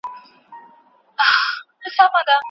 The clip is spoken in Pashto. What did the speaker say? که ته د مېلمه عزت وکړې نو کور به دې اباد وي.